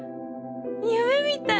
夢みたい！